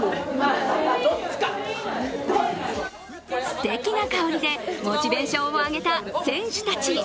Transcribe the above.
すてきな香りでモチベーションを上げた選手たち。